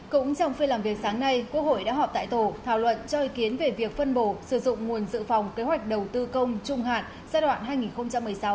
cũng trong phiên làm việc sáng nay quốc hội đã họp tại tổ thảo luận cho ý kiến về việc phân bổ sử dụng nguồn dự phòng kế hoạch đầu tư công trung hạn giai đoạn hai nghìn một mươi sáu hai nghìn hai mươi